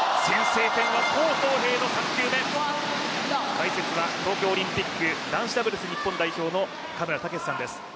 解説は東京オリンピック男子ダブルス日本代表の嘉村健士さんです。